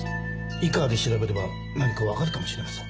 井川で調べれば何かわかるかもしれません。